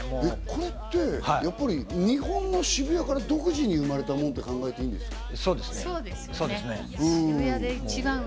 これって日本の渋谷から独自に生まれたものと考えていいですか？